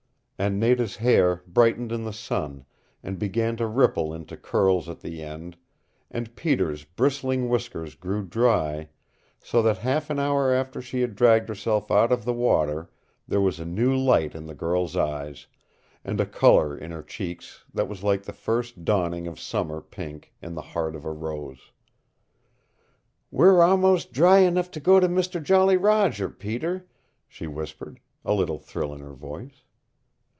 And Nada's hair brightened in the sun, and began to ripple into curls at the end, and Peter's bristling whiskers grew dry so that half an hour after she had dragged herself out of the water there was a new light in the girl's eyes, and a color in her cheeks that was like the first dawning of summer pink in the heart of a rose. "We're a'most dry enough to go to Mister Jolly Roger, Peter," she whispered, a little thrill in her voice.